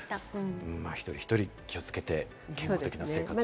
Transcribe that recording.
一人一人、気をつけて健康的な生活を。